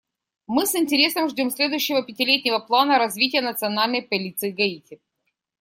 Мы с интересом ждем следующего пятилетнего плана развития Национальной полиции Гаити.